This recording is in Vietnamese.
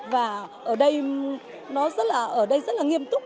và ở đây nó rất là ở đây rất là nghiêm túc